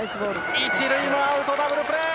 １塁もアウト、ダブルプレー。